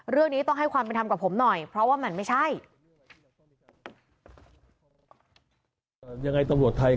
เรื่องนี้ต้องให้ความเป็นธรรมกับผมหน่อยเพราะว่ามันไม่ใช่